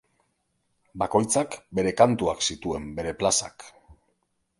Bakoitzak bere kantuak zituen, bere plazak.